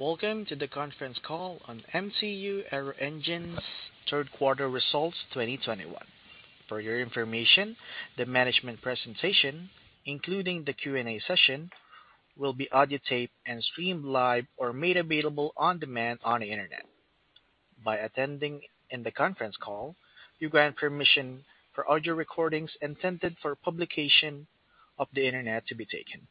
Welcome to the conference call on MTU Aero Engines third quarter results 2021. For your information, the management presentation, including the Q&A session, will be audiotaped and streamed live or made available on demand on the Internet. By attending the conference call, you grant permission for audio recordings intended for publication on the Internet to be taken.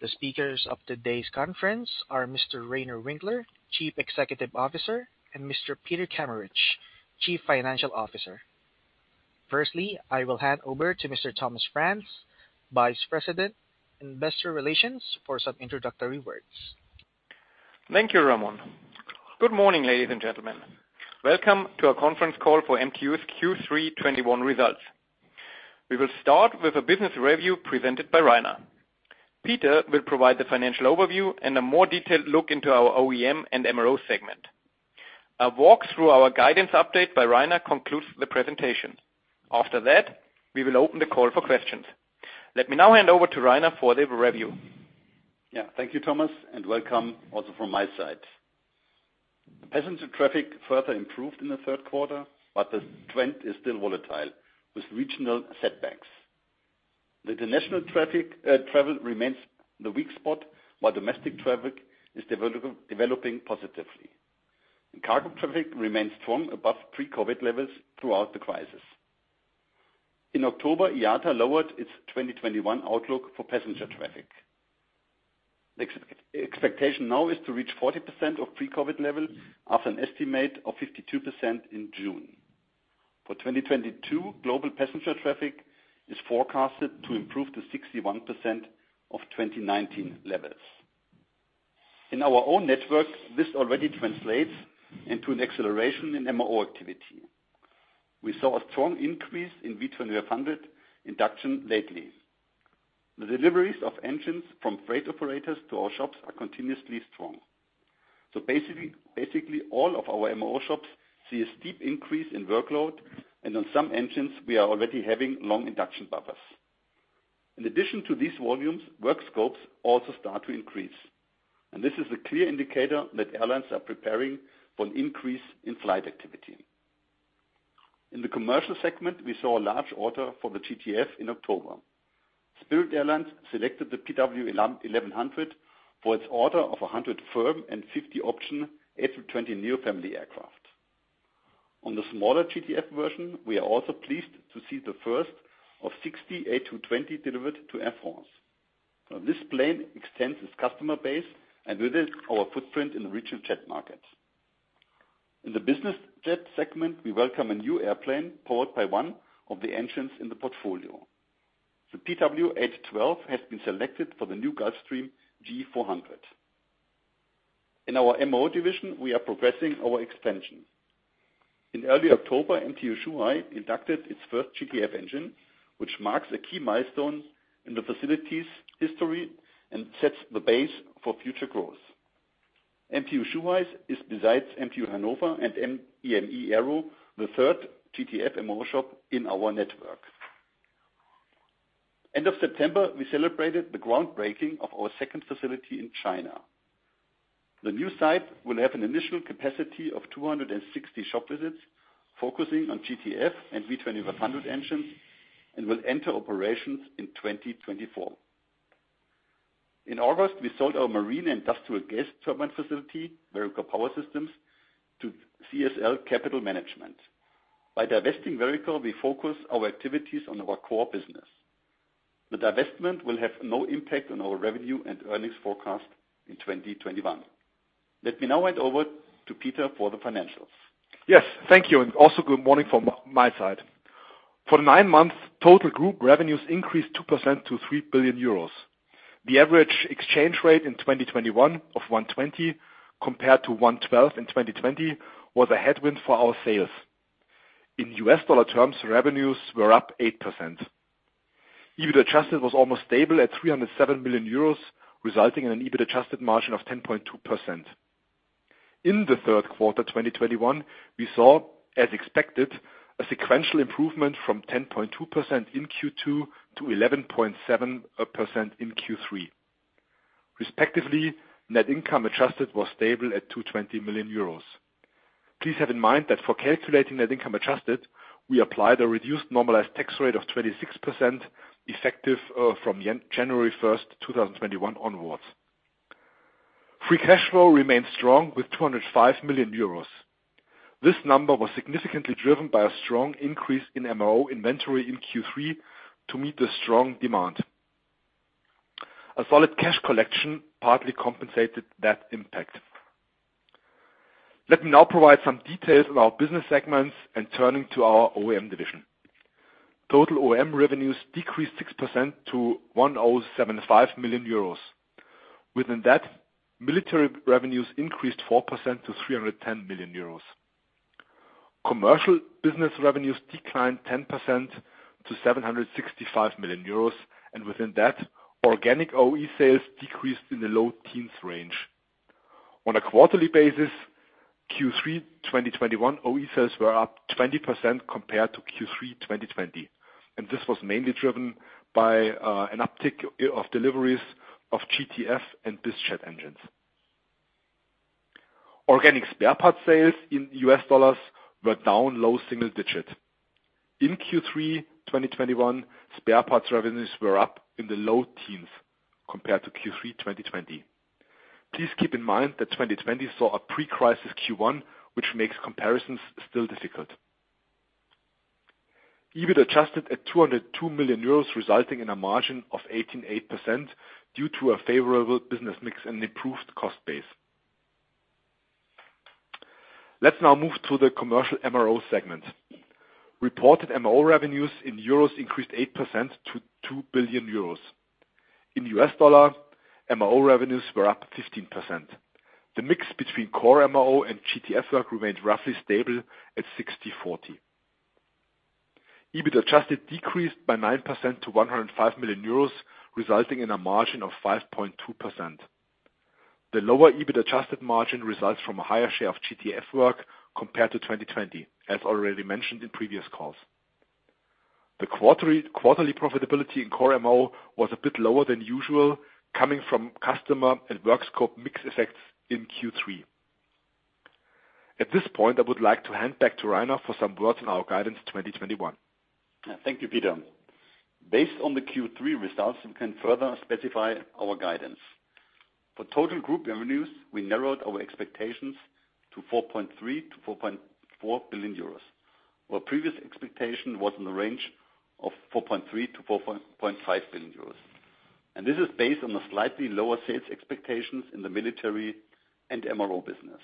The speakers of today's conference are Mr. Reiner Winkler, Chief Executive Officer, and Mr. Peter Kameritsch, Chief Financial Officer. Firstly, I will hand over to Mr. Thomas Franz, Vice President Investor Relations, for some introductory words. Thank you, Ramon. Good morning, ladies and gentlemen. Welcome to our conference call for MTU Aero Engines' Q3 2021 results. We will start with a business review presented by Reiner Winkler. Peter Kameritsch will provide the financial overview and a more detailed look into our OEM and MRO segment. A walk through our guidance update by Reiner Winkler concludes the presentation. After that, we will open the call for questions. Let me now hand over to Reiner Winkler for the review. Yeah. Thank you, Thomas, and welcome also from my side. Passenger traffic further improved in the third quarter, but the trend is still volatile, with regional setbacks. The international traffic, travel remains the weak spot while domestic traffic is developing positively. Cargo traffic remains strong above pre-COVID levels throughout the crisis. In October, IATA lowered its 2021 outlook for passenger traffic. The expectation now is to reach 40% of pre-COVID level after an estimate of 52% in June. For 2022, global passenger traffic is forecasted to improve to 61% of 2019 levels. In our own network, this already translates into an acceleration in MRO activity. We saw a strong increase in V2500 induction lately. The deliveries of engines from freight operators to our shops are continuously strong. Basically all of our MRO shops see a steep increase in workload, and on some engines we are already having long induction buffers. In addition to these volumes, work scopes also start to increase. This is a clear indicator that airlines are preparing for an increase in flight activity. In the commercial segment, we saw a large order for the GTF in October. Spirit Airlines selected the PW1100G for its order of 100 firm and 50 option A320neo family aircraft. On the smaller GTF version, we are also pleased to see the first of 60 A220 delivered to Air France. Now this plane extends its customer base and with it our footprint in the regional jet market. In the business jet segment, we welcome a new airplane powered by one of the engines in the portfolio. The PW812 has been selected for the new Gulfstream G400. In our MRO division, we are progressing our expansion. In early October, MTU Zhuhai inducted its first GTF engine, which marks a key milestone in the facility's history and sets the base for future growth. MTU Zhuhai is besides MTU Maintenance Hannover and EME Aero, the third GTF MRO shop in our network. End of September, we celebrated the groundbreaking of our second facility in China. The new site will have an initial capacity of 260 shop visits, focusing on GTF and V2500 engines, and will enter operations in 2024. In August, we sold our marine industrial gas turbine facility, Vericor Power Systems, to CSL Capital Management. By divesting Vericor, we focus our activities on our core business. The divestment will have no impact on our revenue and earnings forecast in 2021. Let me now hand over to Peter for the financials. Yes, thank you, and also good morning from my side. For the nine months, total group revenues increased 2% to 3 billion euros. The average exchange rate in 2021 of 1.20 compared to 1.12 in 2020 was a headwind for our sales. In U.S. dollar terms, revenues were up 8%. EBIT adjusted was almost stable at 307 million euros, resulting in an EBIT adjusted margin of 10.2%. In the third quarter 2021, we saw, as expected, a sequential improvement from 10.2% in Q2 to 11.7% in Q3. Respectively, net income adjusted was stable at 220 million euros. Please have in mind that for calculating net income adjusted, we applied a reduced normalized tax rate of 26% effective from January 1st, 2021 onwards. Free cash flow remained strong with 205 million euros. This number was significantly driven by a strong increase in MRO inventory in Q3 to meet the strong demand. A solid cash collection partly compensated that impact. Let me now provide some details on our business segments and turning to our OEM division. Total OEM revenues decreased 6% to 107.5 million euros. Within that, military revenues increased 4% to 310 million euros. Commercial business revenues declined 10% to 765 million euros, and within that, organic OE sales decreased in the low-teens range. On a quarterly basis, Q3 2021 OE sales were up 20% compared to Q3 2020, and this was mainly driven by an uptick of deliveries of GTF and BizJet engines. Organic spare parts sales in U.S. dollars were down low-single-digit%. In Q3 2021, spare parts revenues were up in the low-teens compared to Q3 2020. Please keep in mind that 2020 saw a pre-crisis Q1, which makes comparisons still difficult. EBIT adjusted at 202 million euros, resulting in a margin of 18.8% due to a favorable business mix and improved cost base. Let's now move to the commercial MRO segment. Reported MRO revenues in euros increased 8% to 2 billion euros. In US dollars, MRO revenues were up 15%. The mix between core MRO and GTF work remained roughly stable at 60/40. EBIT adjusted decreased by 9% to 105 million euros, resulting in a margin of 5.2%. The lower EBIT adjusted margin results from a higher share of GTF work compared to 2020, as already mentioned in previous calls. The quarterly profitability in core MRO was a bit lower than usual, coming from customer and work scope mix effects in Q3. At this point, I would like to hand back to Reiner for some words on our guidance 2021. Thank you, Peter. Based on the Q3 results, we can further specify our guidance. For total group revenues, we narrowed our expectations to 4.3 billion-4.4 billion euros. Our previous expectation was in the range of 4.3 billion-4.5 billion euros. This is based on the slightly lower sales expectations in the military and MRO business.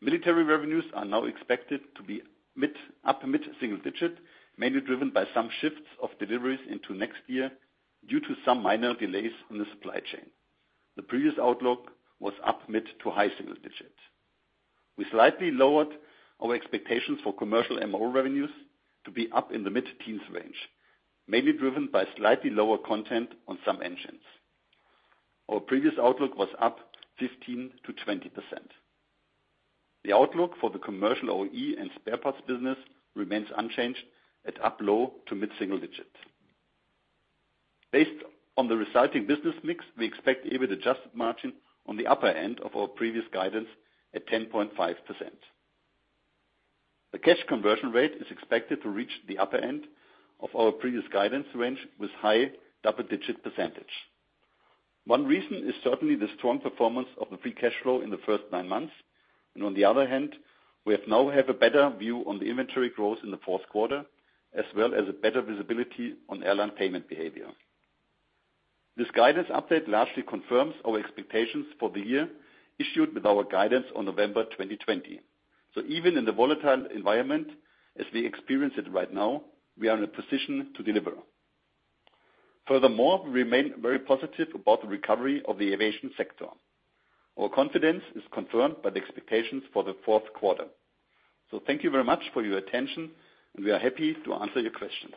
Military revenues are now expected to be mid- to-upper mid-single digit, mainly driven by some shifts of deliveries into next year due to some minor delays in the supply chain. The previous outlook was up mid-to-high single-digits. We slightly lowered our expectations for commercial MRO revenues to be up in the mid-teens range, mainly driven by slightly lower content on some engines. Our previous outlook was up 15% to 20%. The outlook for the commercial OE and spare parts business remains unchanged at up low-to mid-single digits. Based on the resulting business mix, we expect EBIT adjusted margin on the upper end of our previous guidance at 10.5%. The cash conversion rate is expected to reach the upper end of our previous guidance range with high double-digit %. One reason is certainly the strong performance of the free cash flow in the first nine months, and on the other hand, we have now a better view on the inventory growth in the fourth quarter, as well as a better visibility on airline payment behavior. This guidance update largely confirms our expectations for the year issued with our guidance on November 2020. Even in the volatile environment as we experience it right now, we are in a position to deliver. Furthermore, we remain very positive about the recovery of the aviation sector. Our confidence is confirmed by the expectations for the fourth quarter. Thank you very much for your attention, and we are happy to answer your questions.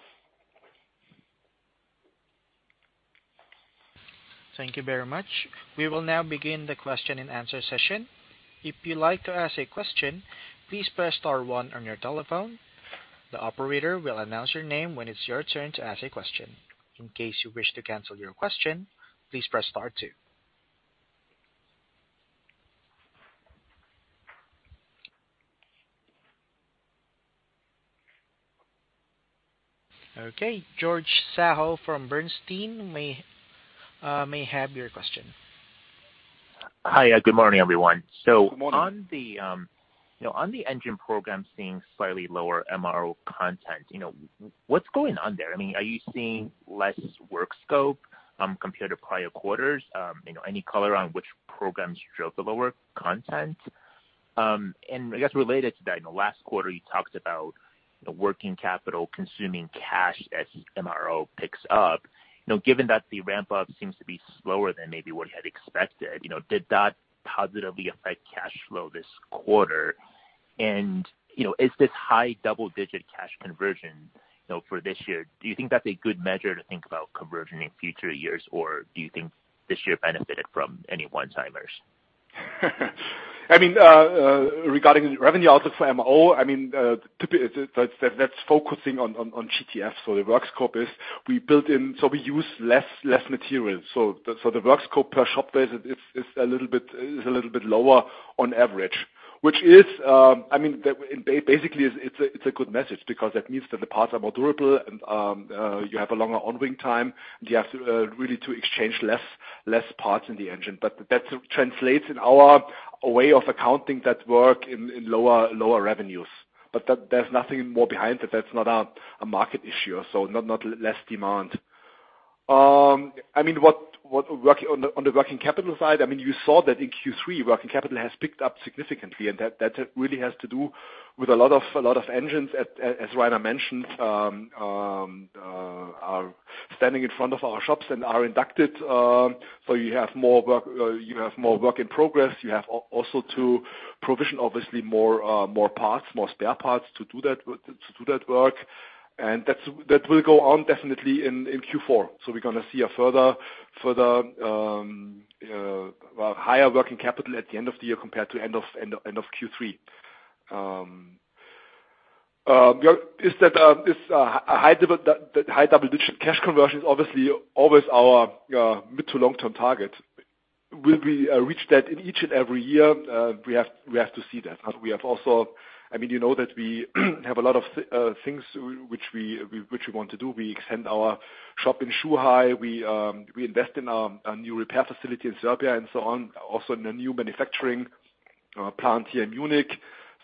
Thank you very much. We will now begin the question-and-answer session. If you'd like to ask a question, please press star one on your telephone. The operator will announce your name when it's your turn to ask a question. In case you wish to cancel your question, please press star two. Okay, George Zhao from Bernstein, you may have your question. Hi, good morning, everyone. Good morning. On the engine program seeing slightly lower MRO content, you know, what's going on there? I mean, are you seeing less work scope, compared to prior quarters? you know, any color on which programs drove the lower content? and I guess related to that, in the last quarter, you talked about, you know, working capital consuming cash as MRO picks up. You know, given that the ramp-up seems to be slower than maybe what you had expected, you know, did that positively affect cash flow this quarter? you know, is this high double-digit cash conversion, you know, for this year, do you think that's a good measure to think about conversion in future years, or do you think this year benefited from any one-timers? I mean, regarding revenue outlook for MRO, I mean, that's focusing on GTF. The work scope is we use less materials. The work scope per shop visit is a little bit lower on average, which is, I mean, basically, it's a good message because that means that the parts are more durable and you have a longer on-wing time, and you have to really exchange less parts in the engine. That translates into our way of accounting that work in lower revenues. There's nothing more behind it. That's not a market issue, not less demand. I mean, on the working capital side, I mean, you saw that in Q3, working capital has picked up significantly, and that really has to do with a lot of engines, as Reiner mentioned, are standing in front of our shops and are inducted. So you have more work in progress. You have also to provision, obviously, more parts, more spare parts to do that work. And that will go on definitely in Q4. We're gonna see a further, well, higher working capital at the end of the year compared to end of Q3. That is a high double-digit cash conversion, obviously, always our mid- to long-term target. Will we reach that in each and every year? We have to see that. We also have I mean, you know that we have a lot of things which we want to do. We extend our shop in Zhuhai. We invest in our new repair facility in Serbia and so on. Also, in a new manufacturing plant here in Munich.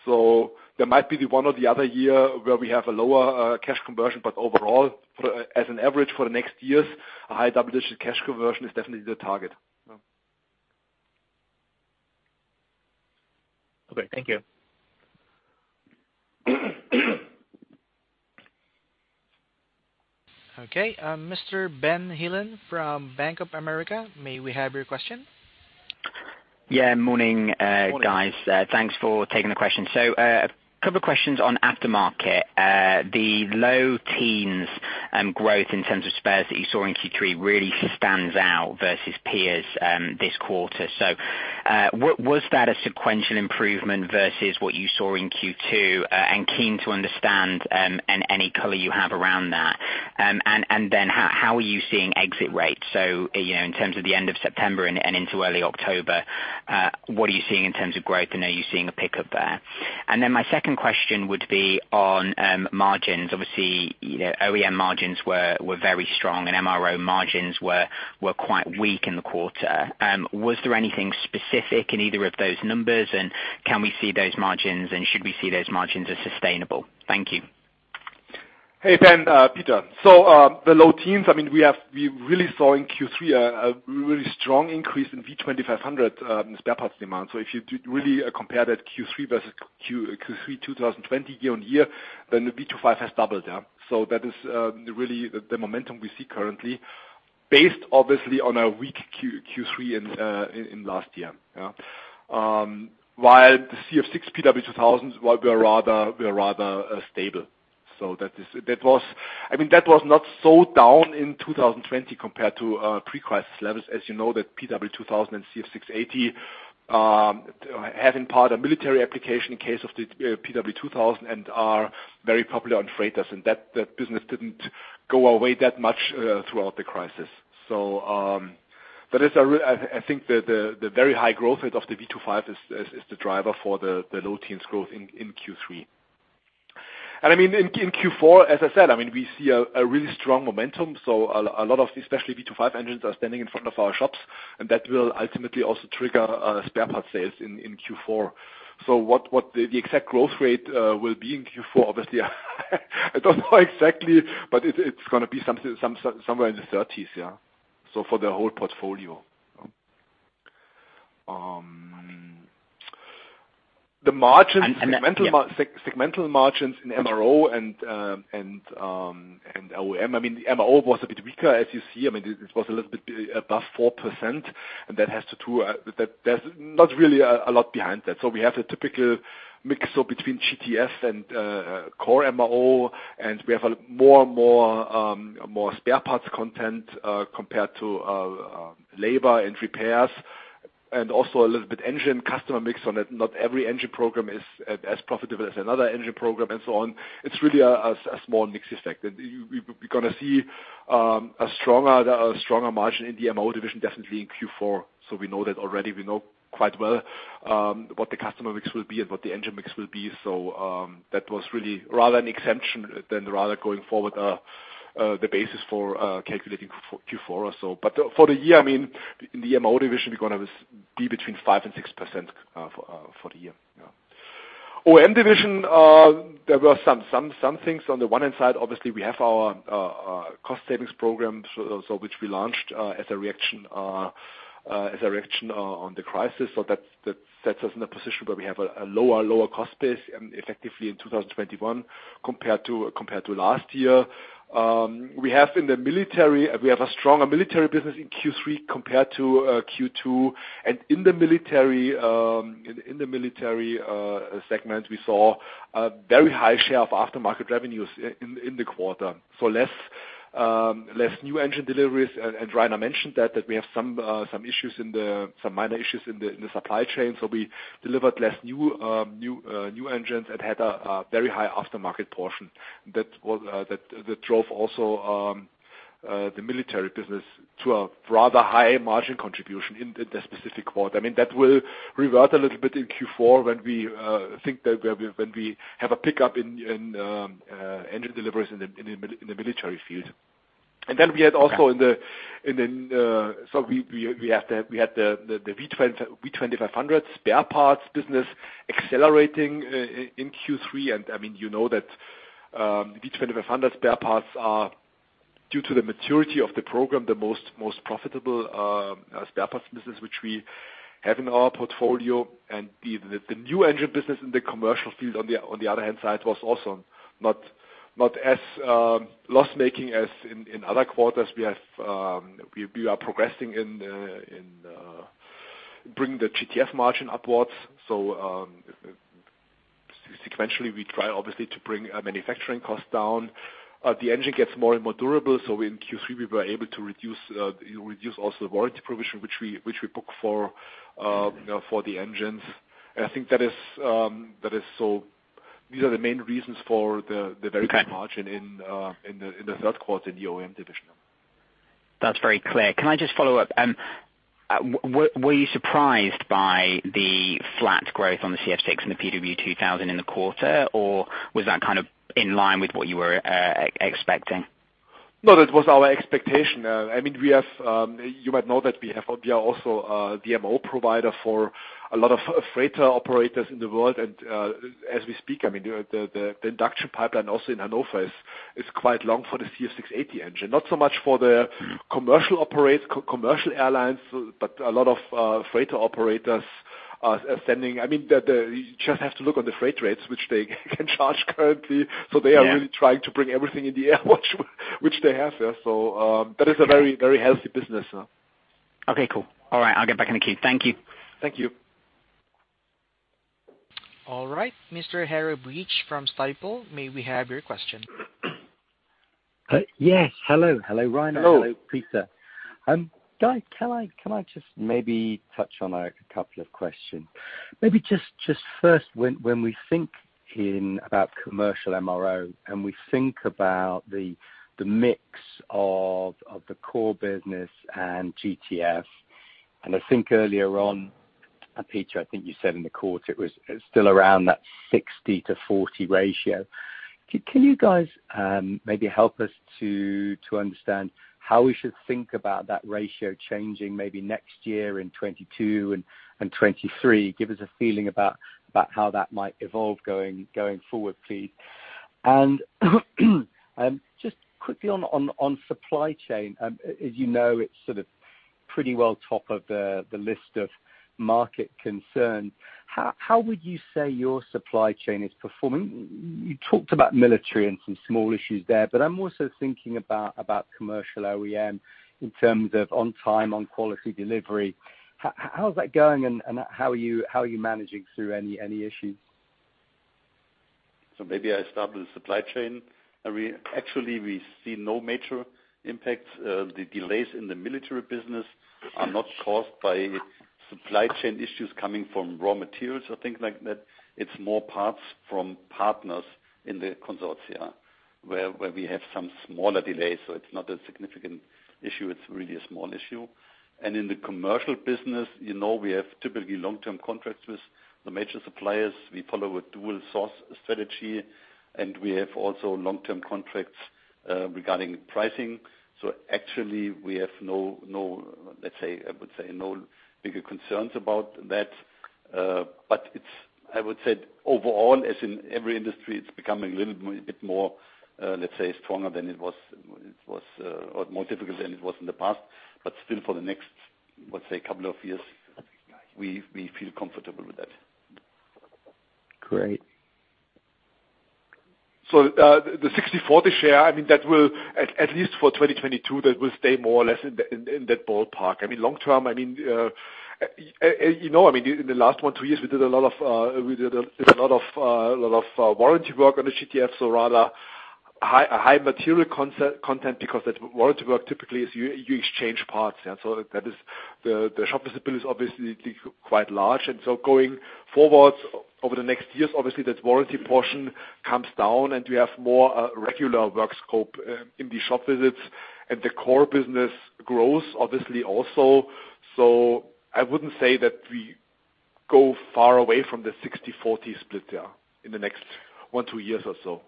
There might be the one or the other year where we have a lower cash conversion, but overall, as an average for the next years, a high double-digit cash conversion is definitely the target. Okay, thank you. Okay, Mr. Ben Heelan from Bank of America, may we have your question? Yeah. Morning, guys. Morning. Thanks for taking the question. A couple of questions on aftermarket. The low-teens growth in terms of spares that you saw in Q3 really stands out versus peers this quarter. Was that a sequential improvement versus what you saw in Q2? Keen to understand any color you have around that. Then how are you seeing exit rates? You know, in terms of the end of September and into early October, what are you seeing in terms of growth, and are you seeing a pickup there? My second question would be on margins. Obviously, you know, OEM margins were very strong, and MRO margins were quite weak in the quarter. Was there anything specific in either of those numbers? Can we see those margins, and should we see those margins as sustainable? Thank you. Hey, Ben, Peter. The low-teens, I mean, we really saw in Q3 a really strong increase in V2500 spare parts demand. If you really compare that Q3 versus Q3 2020 year-on-year, then the V2500 has doubled, yeah. That is really the momentum we see currently based, obviously, on a weak Q3 in last year. Yeah. While the CF6 PW2000, we're rather stable. That was not so down in 2020 compared to pre-crisis levels. As you know that PW2000 and CF6-80 have in part a military application in case of the PW2000 and are very popular on freighters, and that business didn't go away that much throughout the crisis. I think the very high growth rate of the V2500 is the driver for the low-teens growth in Q3. I mean, in Q4, as I said, I mean, we see a really strong momentum, so a lot of especially V2500 engines are standing in front of our shops, and that will ultimately also trigger spare part sales in Q4. What the exact growth rate will be in Q4, obviously I don't know exactly, but it's gonna be somewhere in the thirties, yeah, so for the whole portfolio. The margins.. Yeah. Segmental margins in MRO and OEM. I mean, the MRO was a bit weaker, as you see. I mean, it was a little bit above 4%, and that has to do. There's not really a lot behind that. We have the typical mix, so between GTF and core MRO, and we have a more and more spare parts content compared to labor and repairs, and also a little bit engine customer mix on it. Not every engine program is as profitable as another engine program and so on. It's really a small mix effect. We're gonna see a stronger margin in the MRO division, definitely in Q4. We know that already. We know quite well what the customer mix will be and what the engine mix will be. That was really rather an exception than rather going forward the basis for calculating Q4 or so. For the year, I mean, in the MRO division, we're gonna be between 5% to 6% for the year. Yeah. OEM division, there were some things. On the one hand side, obviously we have our cost savings program, which we launched as a reaction on the crisis. That sets us in a position where we have a lower cost base and effectively in 2021 compared to last year. We have a stronger military business in Q3 compared to Q2. In the military segment, we saw a very high share of aftermarket revenues in the quarter, less new engine deliveries. Reiner mentioned that we have some minor issues in the supply chain. We delivered less new engines and had a very high aftermarket portion. That drove also the military business to a rather high margin contribution in the specific quarter. I mean, that will revert a little bit in Q4 when we have a pickup in engine deliveries in the military field. Then we had also in the.. We had the V2500 spare parts business accelerating in Q3. I mean, you know that V2500 spare parts are due to the maturity of the program the most profitable spare parts business which we have in our portfolio. The new engine business in the commercial field on the other hand side was also not as loss-making as in other quarters. We are progressing in bringing the GTF margin upwards. Sequentially, we try obviously to bring manufacturing costs down. The engine gets more and more durable, so in Q3, we were able to reduce also warranty provision, which we book for you know, for the engines. I think that is so, these are the main reasons for the very good margin in the third quarter in the OEM division. That's very clear. Can I just follow up? Were you surprised by the flat growth on the CF6 and the PW2000 in the quarter, or was that kind of in line with what you were expecting? No, that was our expectation. I mean, you might know that we are also a MRO provider for a lot of freighter operators in the world. As we speak, I mean, the induction pipeline also in Hannover is quite long for the CF6-80 engine. Not so much for the commercial operators, commercial airlines, but a lot of freighter operators are sending. I mean, you just have to look on the freight rates which they can charge currently. Yeah. They are really trying to bring everything in the air which they have there. That is a very, very healthy business. Okay, cool. All right, I'll get back in the queue. Thank you. Thank you. All right, Mr. Harry Breach from Stifel, may we have your question? Yes, hello. Hello, Reiner. Hello. Hello, Peter. Guys, can I just maybe touch on a couple of questions? Maybe just first, when we think about commercial MRO and we think about the mix of the core business and GTF, and I think earlier on, Peter, I think you said in the quarter it was still around that 60/40 ratio. Can you guys maybe help us to understand how we should think about that ratio changing maybe next year in 2022 and 2023? Give us a feeling about how that might evolve going forward, please. Just quickly on supply chain. As you know, it's sort of pretty well top of the list of market concern. How would you say your supply chain is performing? You talked about military and some small issues there, but I'm also thinking about commercial OEM in terms of on time, on quality delivery. How's that going and how are you managing through any issues? Maybe I start with the supply chain. Actually, we see no major impact. The delays in the military business are not caused by supply chain issues coming from raw materials or things like that. It's more parts from partners in the consortia where we have some smaller delays. It's not a significant issue, it's really a small issue. In the commercial business, you know we have typically long-term contracts with the major suppliers. We follow a dual source strategy, and we have also long-term contracts regarding pricing. Actually we have no, let's say, I would say no bigger concerns about that. But it's I would say overall, as in every industry, it's becoming a little bit more, let's say stronger than it was, or more difficult than it was in the past. Still for the next, let's say, couple of years, we feel comfortable with that. Great. The 60/40 share, I mean, that will at least for 2022 that will stay more or less in that ballpark. I mean, long term, you know, I mean, in the last one, two years, we did a lot of warranty work on the GTF, so rather high material content because that warranty work typically is you exchange parts. Yeah, so that is the shop visit bill is obviously quite large. Going forward over the next years, obviously that warranty portion comes down and we have more regular work scope in the shop visits and the core business grows obviously also. I wouldn't say that we go far away from the 60/40 split there in the next one, two years or so.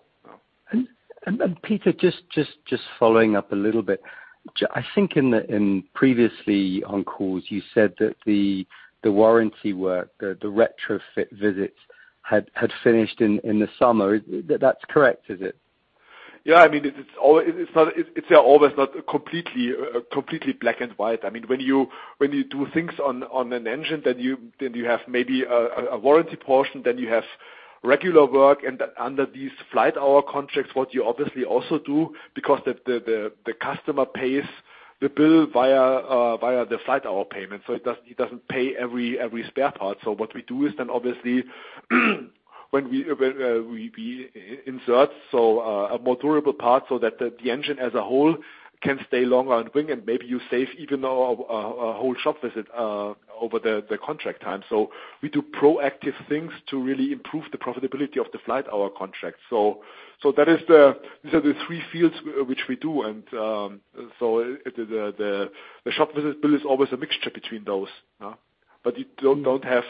Yeah. Peter, just following up a little bit. I think in previous calls you said that the warranty work, the retrofit visits had finished in the summer. That's correct, is it? I mean, it's not always completely black and white. When you do things on an engine, then you have maybe a warranty portion, then you have regular work. Under these flight hour contracts, what you obviously also do, because the customer pays the bill via the flight hour payment, so he doesn't pay every spare part. What we do is then obviously when we insert a more durable part so that the engine as a whole can stay longer on wing and maybe you save even a whole shop visit over the contract time. We do proactive things to really improve the profitability of the flight hour contract. These are the three fields which we do. The shop visit bill is always a mixture between those. Yeah. You don't have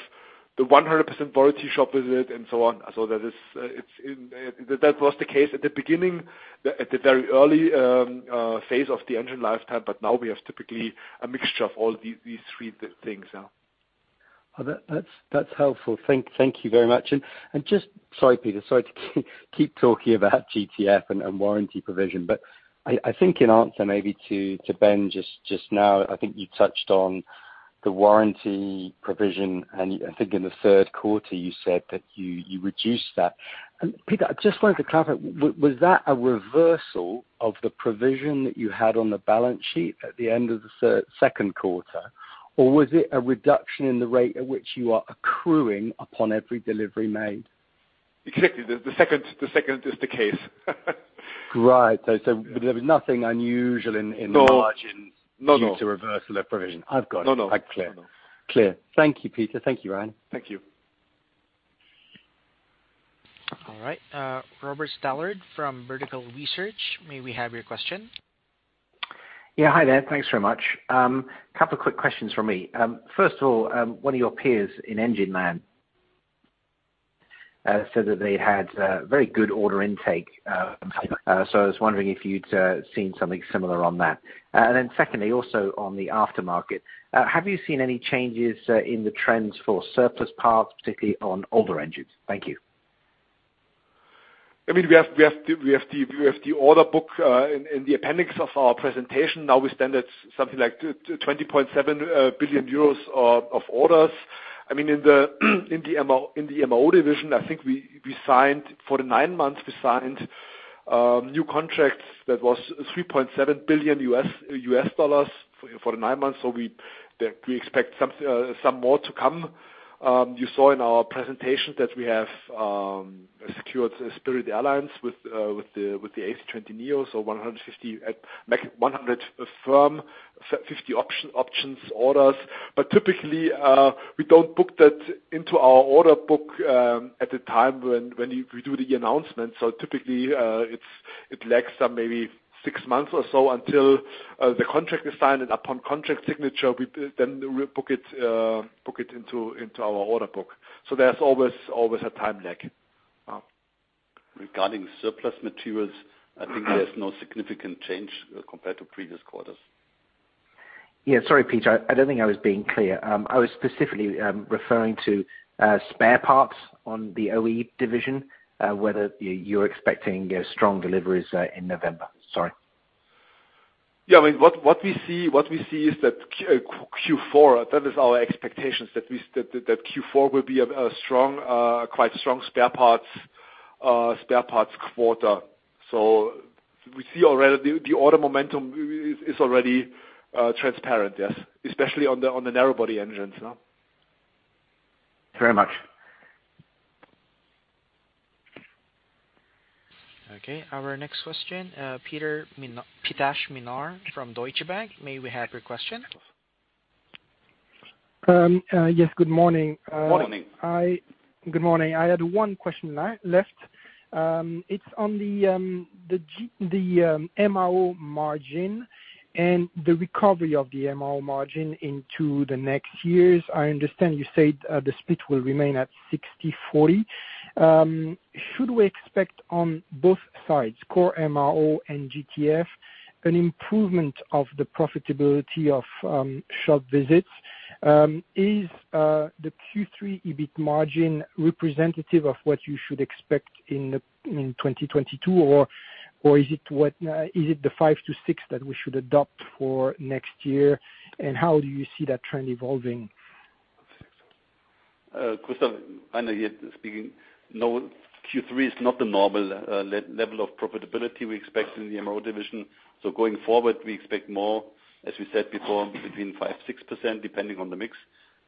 the 100% warranty shop visit and so on. That was the case at the beginning, at the very early phase of the engine lifetime, but now we have typically a mixture of all these three things. Yeah. Well, that's helpful. Thank you very much. Sorry, Peter, sorry to keep talking about GTF and warranty provision, but I think in answer maybe to Ben just now, I think you touched on the warranty provision, and I think in the third quarter you said that you reduced that. Peter, I just wanted to clarify, was that a reversal of the provision that you had on the balance sheet at the end of the second quarter? Or was it a reduction in the rate at which you are accruing upon every delivery made? Exactly. The second is the case. Right. There was nothing unusual in. No ...margins- No. Due to reversal of provision. I've got it. No. Right, clear. No. Clear. Thank you, Peter. Thank you, Reiner. Thank you. All right, Robert Stallard from Vertical Research, may we have your question? Yeah, hi there. Thanks very much. Couple quick questions from me. First of all, one of your peers in Engineman said that they had very good order intake, so I was wondering if you'd seen something similar on that. Secondly, also on the aftermarket, have you seen any changes in the trends for surplus parts, particularly on older engines? Thank you. I mean, we have the order book in the appendix of our presentation. Now we stand at something like 20.7 billion euros of orders. I mean, in the MRO division, I think we signed new contracts for the nine months that was $3.7 billion US dollars for the nine months. We expect some more to come. You saw in our presentation that we have secured Spirit Airlines with the A320neo, so 150, make it 100 firm, 50 option orders. Typically, we don't book that into our order book at the time we do the announcement. Typically, it lags some maybe six months or so until the contract is signed, and upon contract signature, we then book it into our order book. There's always a time lag. Regarding surplus materials, I think there's no significant change compared to previous quarters. Yeah. Sorry, Peter. I don't think I was being clear. I was specifically referring to spare parts on the OE division, whether you're expecting strong deliveries in November. Sorry. Yeah. I mean, what we see is that Q4, that is our expectations, that Q4 will be a strong, quite strong spare parts quarter. So we see already the order momentum is already transparent, yes, especially on the narrow body engines. Thank you very much. Okay. Our next question, Christophe Ménard from Deutsche Bank, may we have your question? Yes, good morning. Good morning. Good morning. I had one question left. It's on the MRO margin and the recovery of the MRO margin into the next years. I understand you said the split will remain at 60/40. Should we expect on both sides, core MRO and GTF, an improvement of the profitability of shop visits? Is Q3 EBIT margin representative of what you should expect in 2022, or is it the 5% to 6% that we should adopt for next year, and how do you see that trend evolving? Christophe Ménard, Reiner Winkler speaking. No, Q3 is not the normal level of profitability we expect in the MRO division. Going forward, we expect more, as we said before, between 5% to 6% depending on the mix.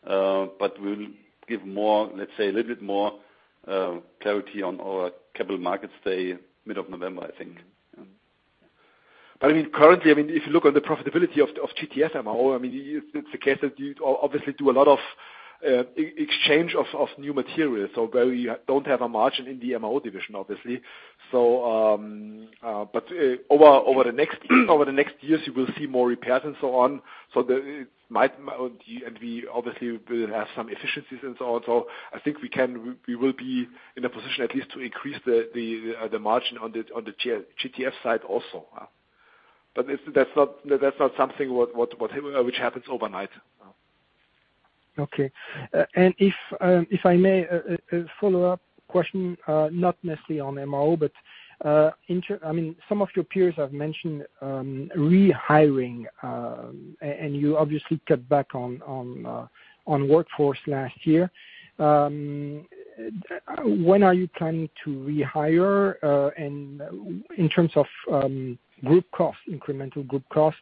We'll give more, let's say a little bit more clarity on our Capital Markets Day, mid of November, I think. I mean, currently, I mean, if you look on the profitability of GTF MRO, I mean, it's the case that you obviously do a lot of exchange of new materials or where you don't have a margin in the MRO division, obviously. Over the next years, you will see more repairs and so on. It might and we obviously will have some efficiencies and so on. I think we can, we will be in a position at least to increase the margin on the GTF side also. But it's not something which happens overnight. Okay. If I may, a follow-up question, not necessarily on MRO, but I mean, some of your peers have mentioned rehiring and you obviously cut back on workforce last year. When are you planning to rehire, and in terms of group cost, incremental group cost,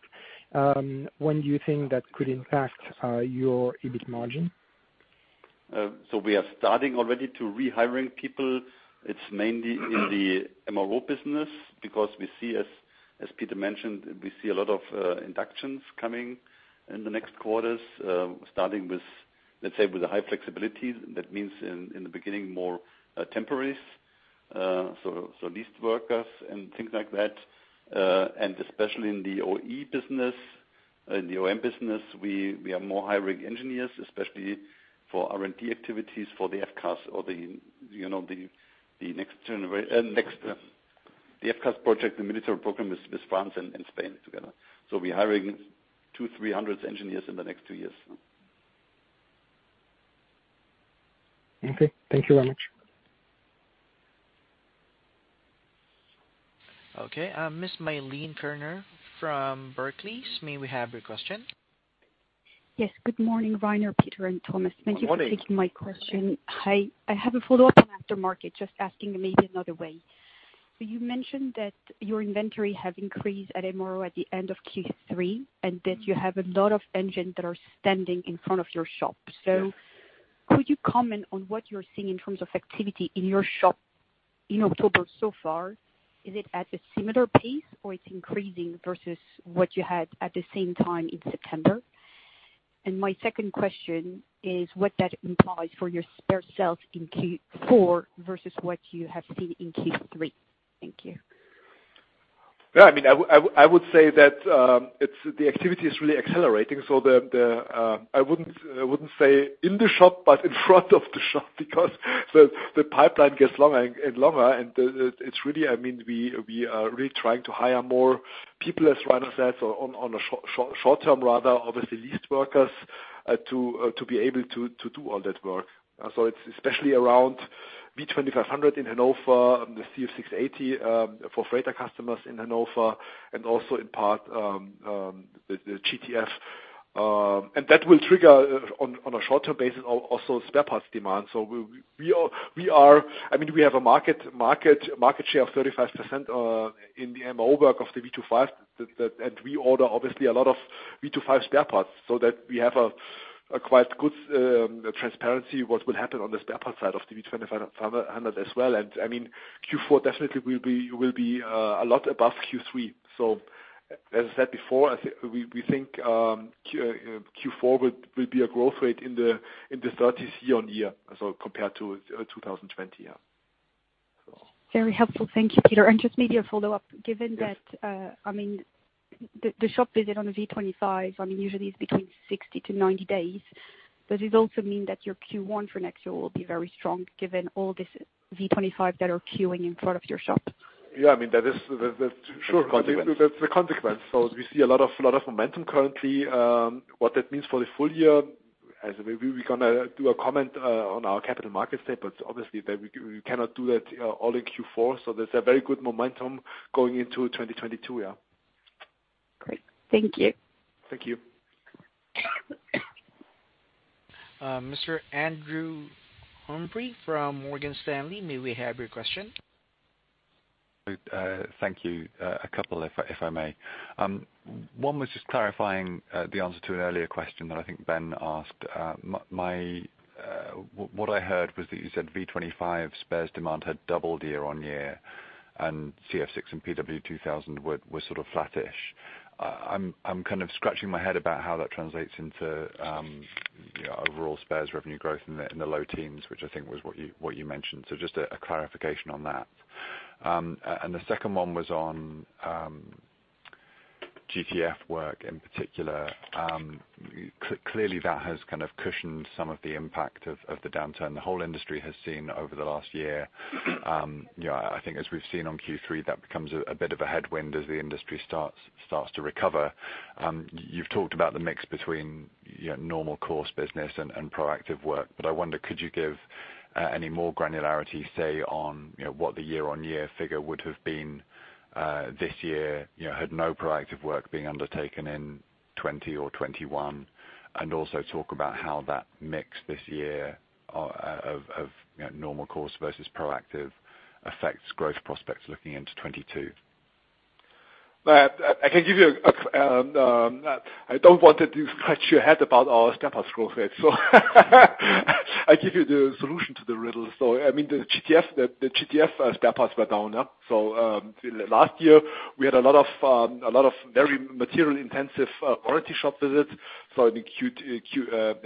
when do you think that could impact your EBIT margin? We are starting already to rehire people. It's mainly in the MRO business because we see, as Peter mentioned, a lot of inductions coming in the next quarters, starting with, let's say, with the high flexibility. That means in the beginning, more temporaries, so leased workers and things like that. Especially in the OE business, in the OM business, we are hiring more engineers, especially for R&D activities for the FCAS project, the military program with France and Spain together. We're hiring 200 to 300 engineers in the next two years. Okay. Thank you very much. Okay, Ms. Milène Kerner from Barclays, may we have your question? Yes. Good morning, Reiner, Peter, and Thomas. Good morning. Thank you for taking my question. I have a follow-up on aftermarket, just asking maybe another way. You mentioned that your inventory have increased at MRO at the end of Q3 and that you have a lot of engines that are standing in front of your shop. Yes. Could you comment on what you're seeing in terms of activity in your shop in October so far? Is it at a similar pace or it's increasing versus what you had at the same time in September? My second question is what that implies for your spare sales in Q4 versus what you have seen in Q3. Thank you. I mean, I would say that the activity is really accelerating, so I wouldn't say in the shop, but in front of the shop because the pipeline gets longer and longer and it's really. I mean, we are really trying to hire more people, as Reiner says, on a short-term, rather, obviously leased workers to be able to do all that work. So it's especially around V2500 in Hannover, the CF6-80 for freighter customers in Hannover and also in part the GTF, and that will trigger on a short-term basis also spare parts demand. We are...I mean, we have a market share of 35% in the MRO work of the V2500, and we order obviously a lot of V2500 spare parts, so that we have a quite good transparency what will happen on the spare part side of the V2500 as well. I mean, Q4 definitely will be a lot above Q3. As I said before, I think we think Q4 will be a growth rate in the 30% year-on-year, so compared to 2020. Very helpful. Thank you, Peter. Just maybe a follow-up. Yes. Given that, I mean, the shop visit on the V2500, I mean, usually it's between 60 to 90 days. Does it also mean that your Q1 for next year will be very strong given all this V2500 that are queuing in front of your shop? Yeah, I mean, that is the sure consequence. That's the consequence. We see a lot of momentum currently. What that means for the full year, as we gonna do a comment on our Capital Markets Day, but obviously that we cannot do that all in Q4. There's a very good momentum going into 2022 year. Great. Thank you. Thank you. Mr. Andrew Humphrey from Morgan Stanley, may we have your question? Thank you. A couple if I may. One was just clarifying the answer to an earlier question that I think Ben asked. What I heard was that you said V2500 spares demand had doubled year-on-year, and CF6 and PW2000 were sort of flattish. I'm kind of scratching my head about how that translates into overall spares revenue growth in the low-teens, which I think was what you mentioned. Just a clarification on that? The second one was on GTF work in particular. Clearly that has kind of cushioned some of the impact of the downturn the whole industry has seen over the last year. You know, I think as we've seen on Q3, that becomes a bit of a headwind as the industry starts to recover. You've talked about the mix between, you know, normal course business and proactive work, but I wonder, could you give any more granularity, say, on, you know, what the year-on-year figure would have been, this year, you know, had no proactive work being undertaken in 2020 or 2021? Also talk about how that mix this year of, you know, normal course versus proactive affects growth prospects looking into 2022. I don't want you to scratch your head about our spare parts growth rate. I give you the solution to the riddle. I mean, the GTF spare parts were down, yeah. Last year we had a lot of very material-intensive warranty shop visits. In Q3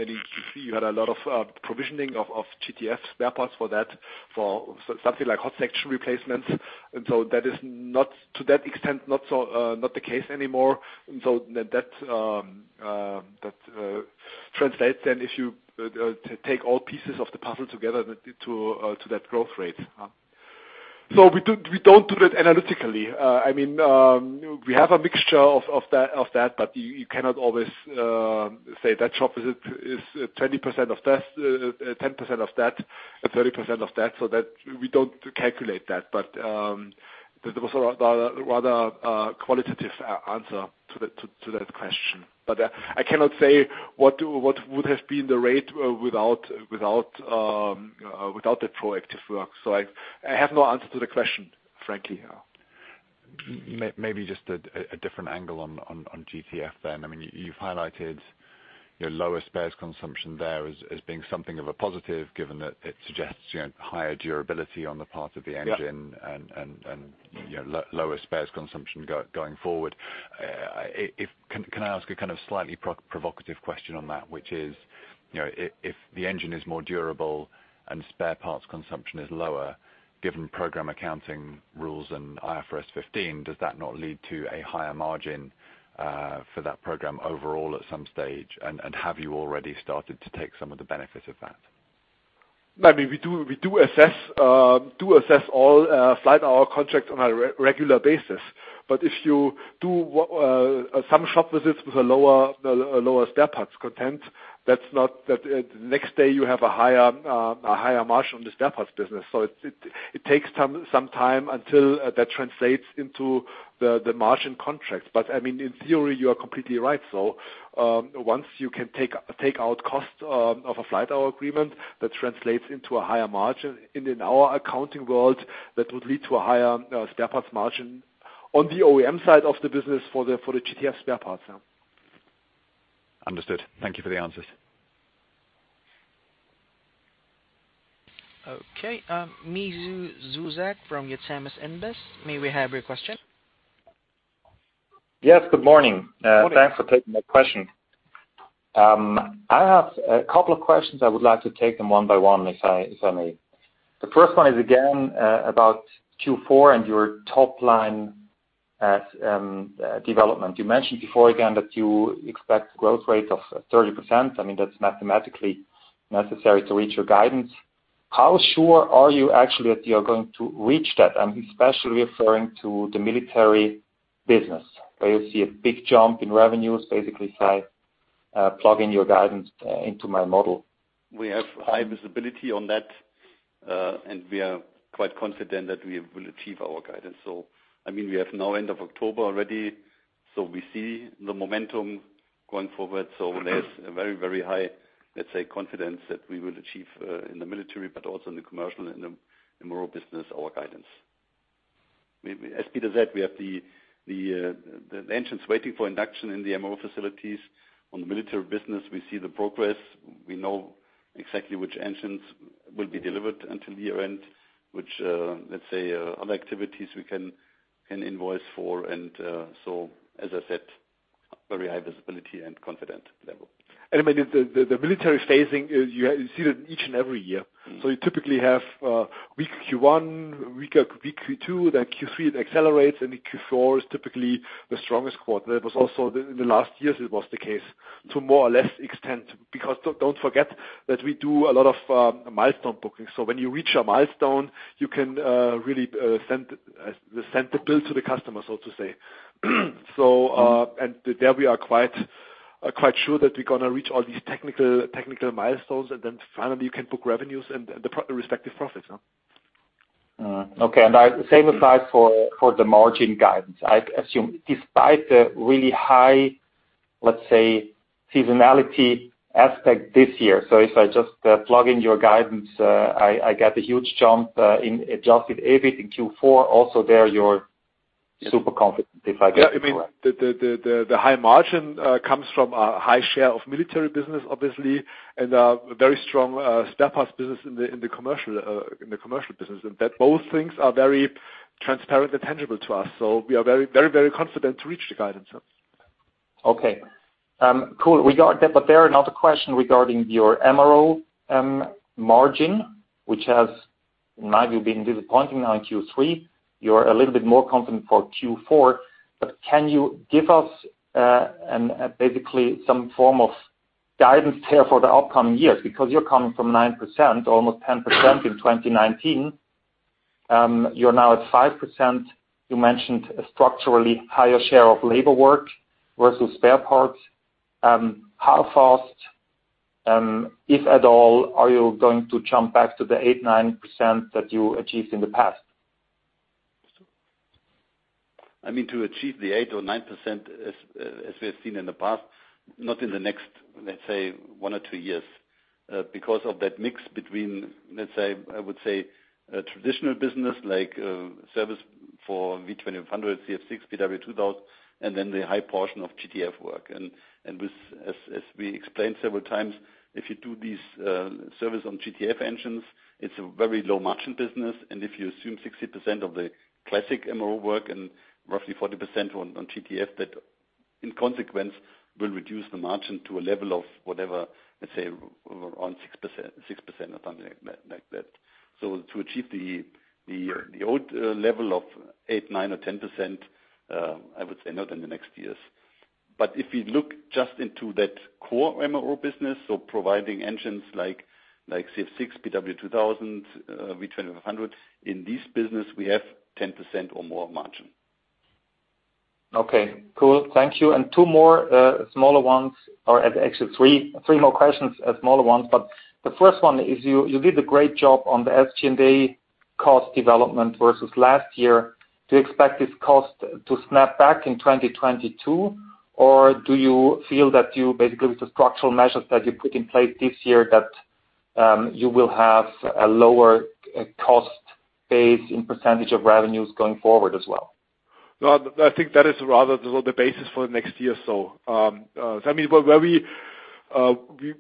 you had a lot of provisioning of GTF spare parts for that, for something like hot section replacements. That is not to that extent the case anymore. That translates then if you take all pieces of the puzzle together to that growth rate. We don't do that analytically. I mean, we have a mixture of that, but you cannot always say that shop visit is 20% of this, 10% of that, and 30% of that, so we don't calculate that. That was a rather qualitative answer to that question. I cannot say what would have been the rate without the proactive work. I have no answer to the question, frankly. Maybe just a different angle on GTF then. I mean, you've highlighted your lower spares consumption there as being something of a positive, given that it suggests, you know, higher durability on the part of the engine. Yeah. You know, lower spares consumption going forward. Can I ask a kind of slightly provocative question on that, which is, you know, if the engine is more durable and spare parts consumption is lower, given program accounting rules and IFRS 15, does that not lead to a higher margin for that program overall at some stage? Have you already started to take some of the benefit of that? I mean, we do assess all flight hour contracts on a regular basis. If you do some shop visits with a lower spare parts content, that's not the next day you have a higher margin on the spare parts business. It takes some time until that translates into the margin contracts. I mean, in theory, you are completely right. Once you can take out cost of a flight hour agreement, that translates into a higher margin. In our accounting world, that would lead to a higher spare parts margin. On the OEM side of the business for the GTF spare parts, yeah. Understood. Thank you for the answers. Okay, Miro Zuzak from JMS Invest AG, may we have your question? Yes, good morning. Good morning. Thanks for taking my question. I have a couple of questions. I would like to take them one by one, if I may. The first one is again about Q4 and your top line development. You mentioned before again that you expect growth rate of 30%. I mean, that's mathematically necessary to reach your guidance. How sure are you actually that you're going to reach that? I'm especially referring to the military business, where you see a big jump in revenues, basically if I plug in your guidance into my model. We have high visibility on that, and we are quite confident that we will achieve our guidance. I mean, we have now, end of October already, so we see the momentum going forward. There's a very, very high, let's say, confidence that we will achieve in the military, but also in the commercial and the MRO business, our guidance. As Peter said, we have the engines waiting for induction in the MRO facilities. On the military business, we see the progress. We know exactly which engines will be delivered until year-end, which, let's say, other activities we can invoice for. As I said, very high visibility and confidence level. I mean, the military phasing is you see that each and every year. Mm-hmm. You typically have weak Q1, weak Q2, then Q3 it accelerates, and then Q4 is typically the strongest quarter. It was also the case in the last years to more or less extent. Because don't forget that we do a lot of milestone bookings. When you reach a milestone, you can really send the bill to the customer, so to say. There we are quite sure that we're gonna reach all these technical milestones, and then finally you can book revenues and the respective profits. Okay. The same applies for the margin guidance, I assume, despite the really high, let's say, seasonality aspect this year. If I just plug in your guidance, I get a huge jump in adjusted EBIT in Q4. Also, there, you're super confident, if I get that correct? Yeah. I mean, the high margin comes from a high share of military business, obviously, and a very strong spare parts business in the commercial business. That both things are very transparent and tangible to us. We are very confident to reach the guidance, yeah. Okay. Cool. Regarding that, there's another question regarding your MRO margin, which has maybe been disappointing now in Q3. You're a little bit more confident for Q4, but can you give us basically some form of guidance here for the upcoming years? Because you're coming from 9%, almost 10% in 2019. You're now at 5%. You mentioned a structurally higher share of labor work versus spare parts. How fast, if at all, are you going to jump back to the 8% to 9% that you achieved in the past? I mean, to achieve the 8% or 9% as we have seen in the past, not in the next, let's say, one or two years, because of that mix between, let's say, I would say a traditional business like service for V2500, CF6, PW2000, and then the high portion of GTF work. And with, as we explained several times, if you do these service on GTF engines, it's a very low margin business. And if you assume 60% of the classic MRO work and roughly 40% on GTF, that in consequence will reduce the margin to a level of whatever, let's say around 6% or something like that. To achieve the old level of 8%, 9% or 10%, I would say not in the next years. If you look just into that core MRO business, so providing engines like CF6, PW2000, V2500, in this business we have 10% or more margin. Okay, cool. Thank you. Two more, smaller ones, or actually three more questions, smaller ones. The first one is you did a great job on the SG&A cost development versus last year. Do you expect this cost to snap back in 2022? Or do you feel that you basically, with the structural measures that you put in place this year, that you will have a lower cost base as in percentage of revenues going forward as well? Well, I think that is rather the basis for next year or so. I mean, we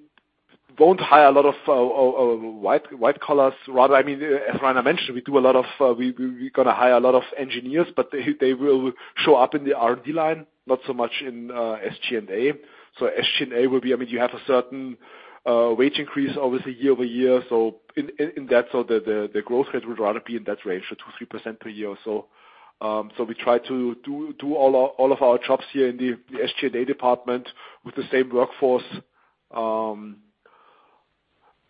won't hire a lot of white collars. Rather, I mean, as Reiner mentioned, we're gonna hire a lot of engineers, but they will show up in the R&D line, not so much in SG&A. SG&A will be. I mean, you have a certain wage increase obviously year-over-year. In that, the growth rate would rather be in that range, 2% to 3% per year or so. We try to do all of our jobs here in the SG&A department with the same workforce.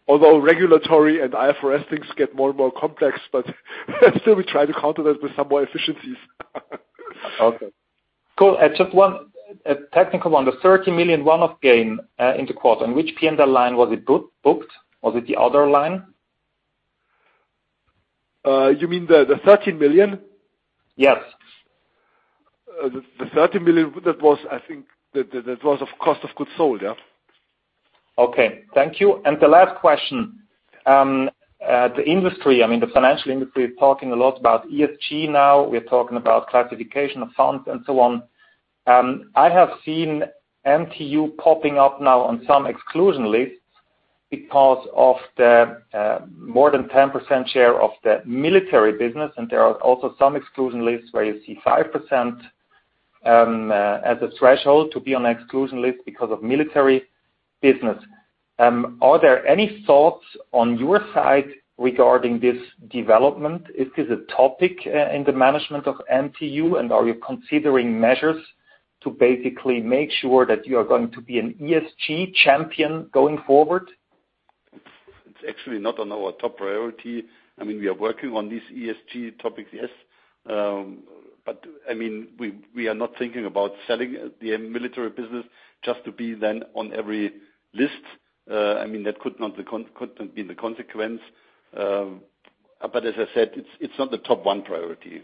Although regulatory and IFRS things get more and more complex, but still we try to counter that with some more efficiencies. Okay, cool. Just one, a technical one. The 30 million one-off gain in the quarter, and which P&L line was it booked? Was it the other line? You mean the 13 million? Yes. The 13 million, that was, I think, of cost of goods sold, yeah. Okay. Thank you. The last question, at the industry, I mean, the financial industry is talking a lot about ESG now. We're talking about classification of funds and so on. I have seen MTU popping up now on some exclusion lists because of the more than 10% share of the military business. There are also some exclusion lists where you see 5% as a threshold to be on an exclusion list because of military business. Are there any thoughts on your side regarding this development? Is this a topic in the management of MTU, and are you considering measures to basically make sure that you are going to be an ESG champion going forward? It's actually not on our top priority. I mean, we are working on these ESG topics, yes. I mean, we are not thinking about selling the military business just to be then on every list. I mean, that couldn't be the consequence. As I said, it's not the top one priority.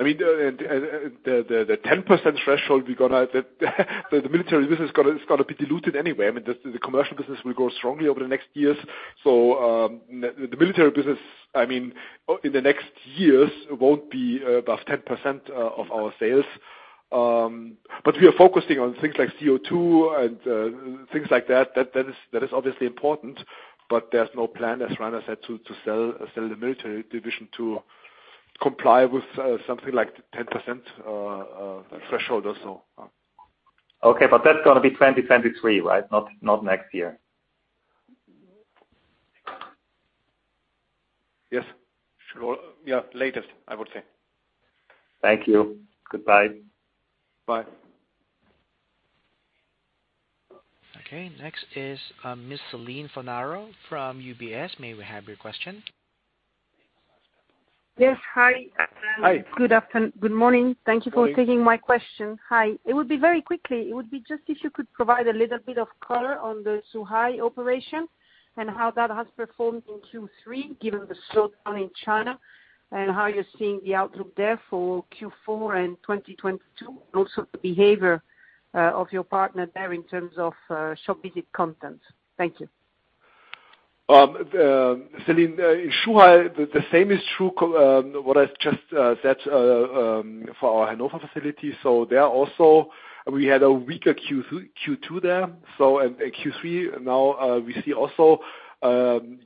I mean, the 10% threshold, the military business is gonna be diluted anyway. I mean, the commercial business will grow strongly over the next years. The military business, I mean, in the next years won't be above 10% of our sales. We are focusing on things like CO2 and things like that. That is obviously important, but there's no plan, as Reiner said, to sell the military division to comply with something like 10% threshold or so. Okay, that's gonna be 2023, right? Not next year. Yes. Sure. Yeah. Latest, I would say. Thank you. Goodbye. Bye. Okay. Next is, Ms. Celine Fornaro from UBS. May we have your question? Yes. Hi. Hi. Good afternoon. Good morning. Thank you for taking my question. Hi. It would be just if you could provide a little bit of color on the Zhuhai operation and how that has performed in Q3, given the slowdown in China, and how you're seeing the outlook there for Q4 and 2022, and also the behavior of your partner there in terms of shop visit content. Thank you. Celine, in Zhuhai, the same is true what I just said for our Hannover facility. There also, we had a weaker Q2 there. And Q3 now, we see also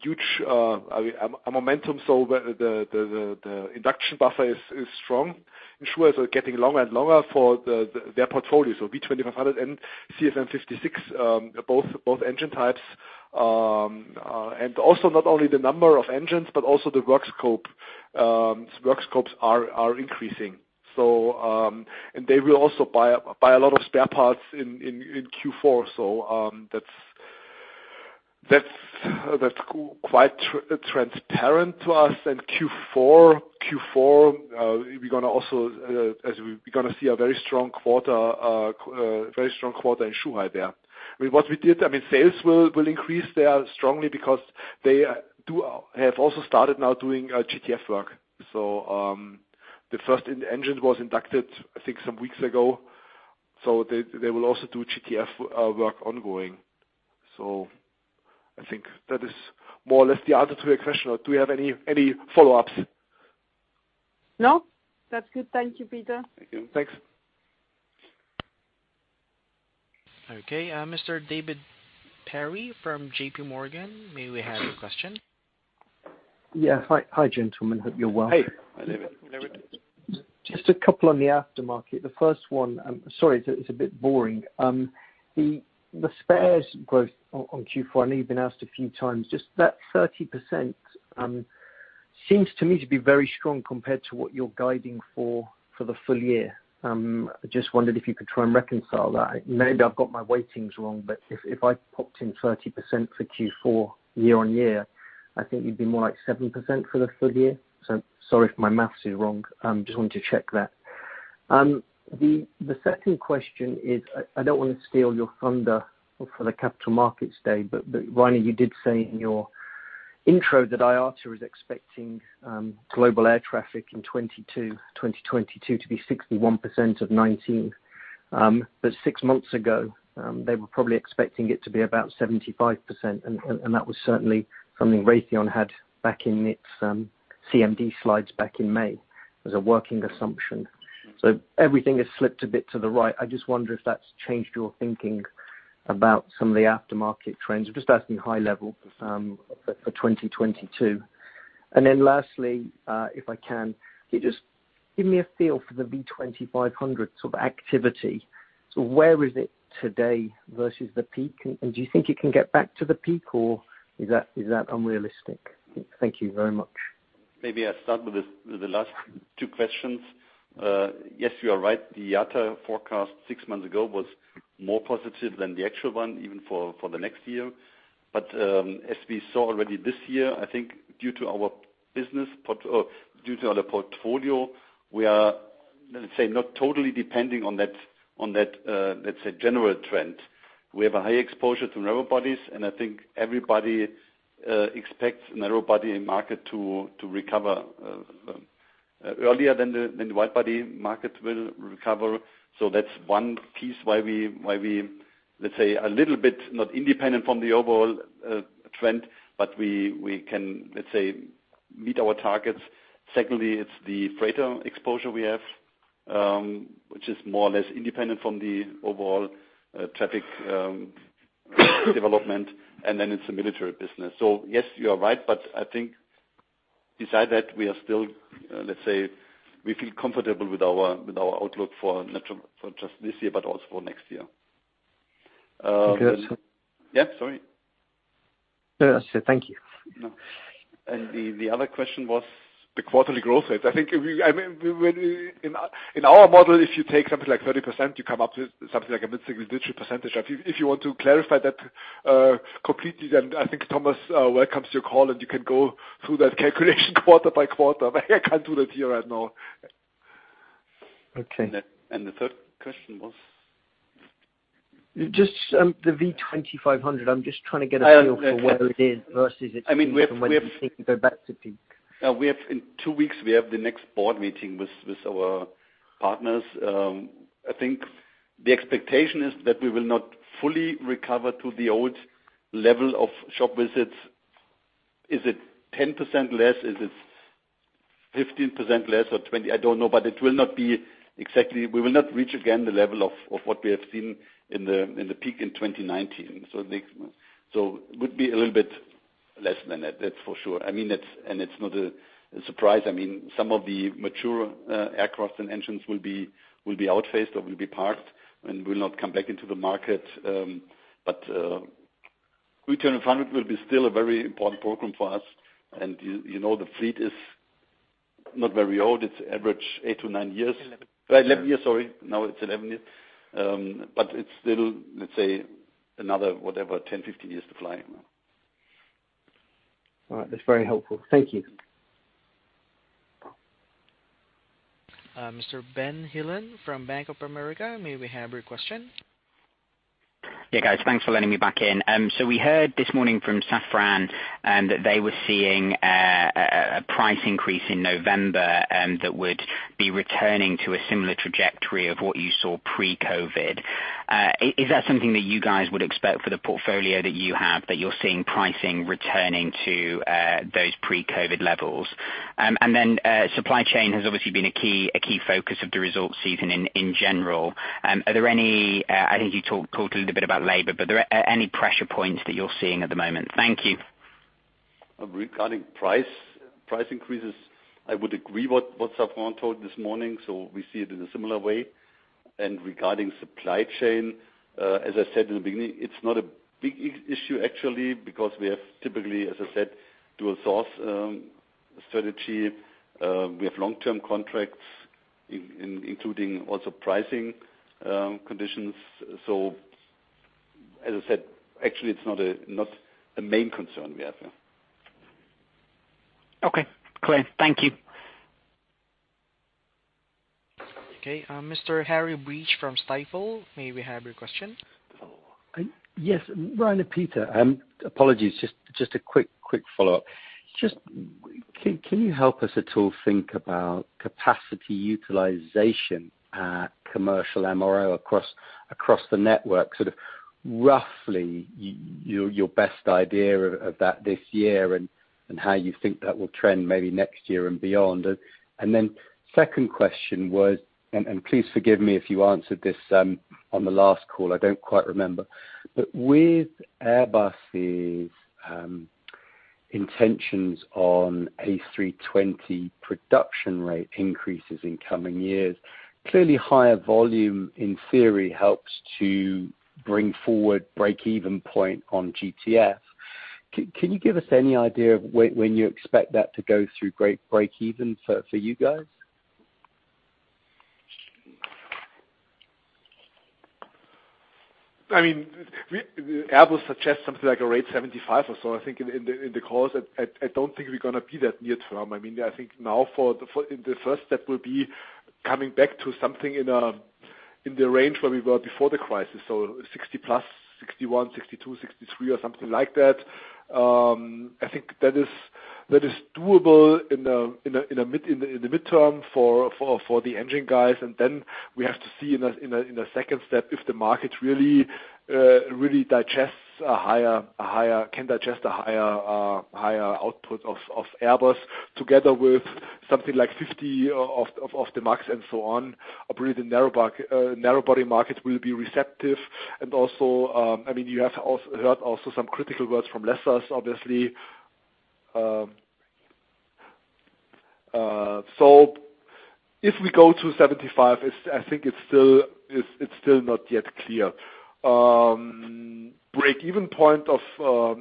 huge, I mean, a momentum. The induction buffer is strong. Inductions are getting longer and longer for their portfolio. V2500 and CFM56, both engine types. And also not only the number of engines, but also the work scopes are increasing. And they will also buy a lot of spare parts in Q4. That's quite transparent to us. Q4, we're gonna see a very strong quarter in Zhuhai there. I mean, what we did, I mean, sales will increase there strongly because they have also started now doing GTF work. So, the first engine was inducted, I think, some weeks ago. So they will also do GTF work ongoing. So I think that is more or less the answer to your question, or do we have any follow-ups? No. That's good. Thank you, Peter. Thank you. Thanks. Okay, Mr. David Perry from JP Morgan, may we have your question? Yeah. Hi. Hi, gentlemen. Hope you're well. Hey. Hi, David. Just a couple on the aftermarket. The first one, sorry, it's a bit boring. The spares growth on Q4, I know you've been asked a few times, just that 30% seems to me to be very strong compared to what you're guiding for the full year. I just wondered if you could try and reconcile that. Maybe I've got my weightings wrong, but if I popped in 30% for Q4 year-on-year, I think you'd be more like 7% for the full year. Sorry if my math is wrong. Just wanted to check that. The second question is, I don't wanna steal your thunder for the capital markets day, but Reiner, you did say in your intro that IATA is expecting global air traffic in 2022 to be 61% of 2019. But six months ago, they were probably expecting it to be about 75%, and that was certainly something Raytheon Technologies had back in its CMD slides back in May as a working assumption. So everything has slipped a bit to the right. I just wonder if that's changed your thinking about some of the aftermarket trends. I'm just asking high-level for 2022. Lastly, if I can you just give me a feel for the V2500 sort of activity. So where is it today versus the peak? Do you think it can get back to the peak, or is that unrealistic? Thank you very much. Maybe I start with the last two questions. Yes, you are right. The IATA forecast six months ago was more positive than the actual one, even for the next year. As we saw already this year, I think due to other portfolio, we are, let's say, not totally depending on that, let's say general trend. We have a high exposure to narrow bodies, and I think everybody expects narrow body market to recover. Earlier than the wide body market will recover. That's one piece why we, let's say, are a little bit not independent from the overall trend, but we can, let's say, meet our targets. Secondly, it's the freighter exposure we have, which is more or less independent from the overall traffic development, and then it's the military business. Yes, you are right, but I think besides that, we are still, let's say, we feel comfortable with our outlook for not just this year, but also for next year. Okay, so- Yeah, sorry. No, that's it. Thank you. The other question was the quarterly growth rate. I think if we, I mean, we in our model, if you take something like 30%, you come up with something like a mid-single-digit percentage. If you want to clarify that completely, then I think Thomas welcomes your call, and you can go through that calculation quarter-by-quarter. I can't do that here right now. Okay. The third question was? Just, the V2500. I'm just trying to get a feel for where it is versus its peak and when you think it will go back to peak. We have in two weeks the next board meeting with our partners. I think the expectation is that we will not fully recover to the old level of shop visits. Is it 10% less? Is it 15% less or 20? I don't know. It will not be exactly. We will not reach again the level of what we have seen in the peak in 2019. It would be a little bit less than that's for sure. I mean, it's not a surprise. I mean, some of the mature aircraft and engines will be outphased or will be parked and will not come back into the market. V2500 will be still a very important program for us. You know, the fleet is not very old. It's average eight to nine years. Eleven. Right, 11 years, sorry. Now it's 11 years. It's still, let's say, another, whatever, 10, 15 years to fly. All right. That's very helpful. Thank you. Mr. Ben Heelan from Bank of America, may we have your question? Yeah, guys. Thanks for letting me back in. So we heard this morning from Safran that they were seeing a price increase in November that would be returning to a similar trajectory of what you saw pre-COVID. Is that something that you guys would expect for the portfolio that you have, that you're seeing pricing returning to those pre-COVID levels? Supply chain has obviously been a key focus of the results season in general. I think you talked a little bit about labor, but are there any pressure points that you're seeing at the moment? Thank you. Regarding price increases, I would agree with what Safran told this morning, so we see it in a similar way. Regarding supply chain, as I said in the beginning, it's not a big issue actually, because we have typically, as I said, dual source strategy. We have long-term contracts including also pricing conditions. As I said, actually, it's not a main concern we have here. Okay, clear. Thank you. Okay, Mr. Harry Breach from Stifel, may we have your question? Yes. Reiner, Peter, apologies, just a quick follow-up. Just can you help us at all think about capacity utilization at commercial MRO across the network, sort of roughly your best idea of that this year and how you think that will trend maybe next year and beyond? Then second question was, and please forgive me if you answered this on the last call, I don't quite remember. With Airbus's intentions on A320 production rate increases in coming years, clearly higher volume, in theory, helps to bring forward break-even point on GTF. Can you give us any idea of when you expect that to go through break even for you guys? I mean, Airbus suggests something like a rate 75 or so, I think, in the calls. I don't think we're gonna be that near-term. I mean, I think now for the first step, we'll be coming back to something in the range where we were before the crisis. So 60+, 61, 62, 63 or something like that. I think that is doable in the mid-term for the engine guys. Then we have to see in a second step if the market really digests a higher output of Airbus together with something like 50 of the MAX and so on, or really the narrow body markets will be receptive. Also, I mean, you have heard some critical words from lessors, obviously. If we go to 75, I think it's still not yet clear. Break-even point of the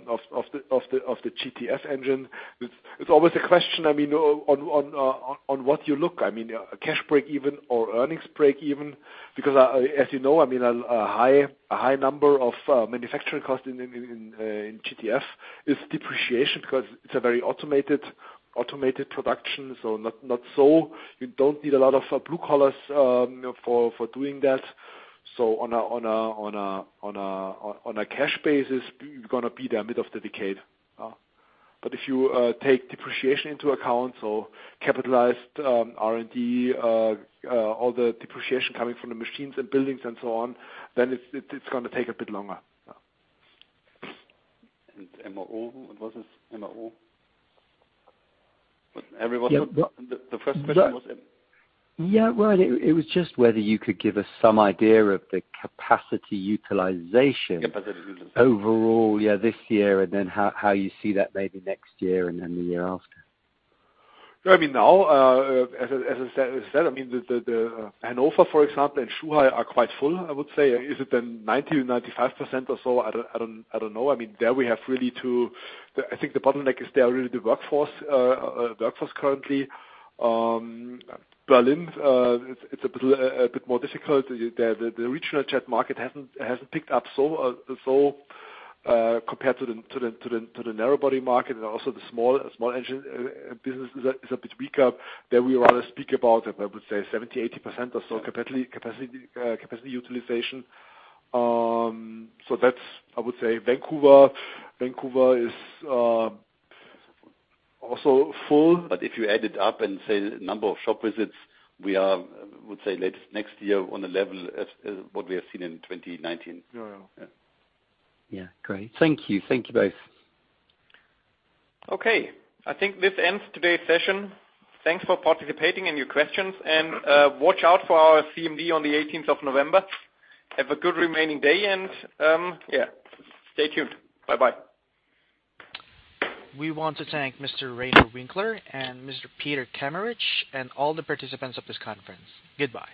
GTF engine, it's always a question, I mean, on what you look. I mean, a cash break even or earnings break even, because, as you know, I mean, a high number of manufacturing costs in GTF is depreciation 'cause it's a very automated production. You don't need a lot of blue collars for doing that. On a cash basis, gonna be there mid of the decade. If you take depreciation into account, so capitalized R&D, all the depreciation coming from the machines and buildings and so on, then it's gonna take a bit longer. Yeah. MO, what was it? Yeah. The first question was. Yeah. Well, it was just whether you could give us some idea of the capacity utilization? Capacity utilization. Overall, yeah, this year, and then how you see that maybe next year and then the year after. Yeah, I mean, as I said, I mean, the Hannover, for example, and Zhuhai are quite full, I would say. Is it then 90% to 95% or so? I don't know. I mean, the bottleneck is really the workforce currently. Berlin, it's a bit more difficult. The regional jet market hasn't picked up so compared to the narrow body market and also the small engine business is a bit weaker. There we rather speak about, I would say 70% to 80% or so capacity utilization. I would say Vancouver is also full. If you add it up and say the number of shop visits, we would say at latest next year on the level as what we have seen in 2019. Yeah, yeah. Yeah. Yeah. Great. Thank you. Thank you both. Okay. I think this ends today's session. Thanks for participating and your questions, and watch out for our CMD on the eighteenth of November. Have a good remaining day and yeah, stay tuned. Bye-bye. We want to thank Mr. Reiner Winkler and Mr. Peter Kameritsch and all the participants of this conference. Goodbye.